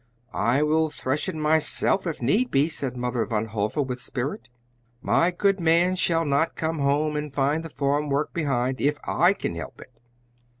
"I will thresh it myself, if need be," said Mother Van Hove with spirit. "My good man shall not come home and find the farm work behind if I can help it."